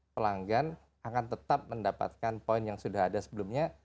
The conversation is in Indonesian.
pelanggan akan tetap mendapatkan poin yang sudah ada sebelumnya